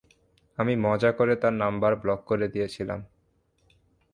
আমি মজা করে তার নাম্বার ব্লক করে দিয়েছিলাম।